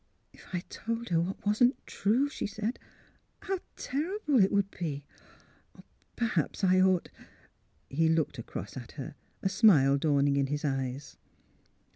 " If I told her what wasn't true," she said, '' how terrible it would be ! Perhaps I ought '' He looked across at her, a smile dawning in his eyes.